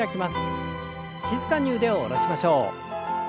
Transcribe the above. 静かに腕を下ろしましょう。